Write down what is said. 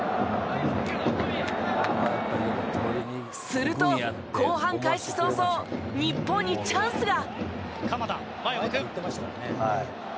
すると後半開始早々日本にチャンスが。